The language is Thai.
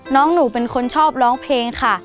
น้องหนูเป็นคนชอบร้องเพลงค่ะ